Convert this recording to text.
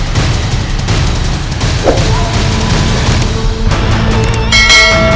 tidak kau mieuxl turner